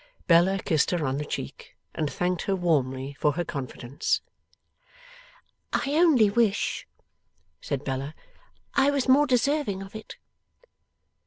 Bella kissed her on the cheek, and thanked her warmly for her confidence. 'I only wish,' said Bella, 'I was more deserving of it.